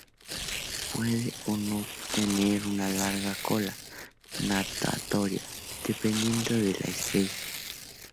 Puede o no tener una larga "cola" natatoria, dependiendo de la especie.